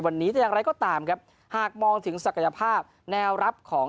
วันนี้แต่อย่างไรก็ตามครับหากมองถึงศักยภาพแนวรับของ